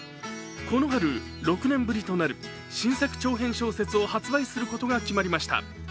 この春、６年ぶりとなる新作長編小説を発売することが決まりました。